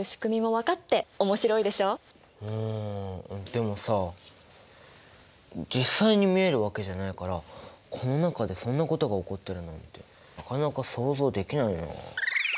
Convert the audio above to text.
でもさ実際に見えるわけじゃないからこの中でそんなことが起こってるなんてなかなか想像できないな。